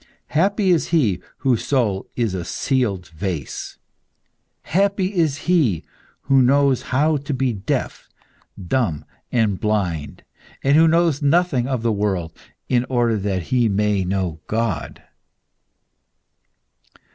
Happy is he whose soul is a sealed vase! Happy is he who knows how to be deaf, dumb, and blind, and who knows nothing of the world, in order that he may know God!"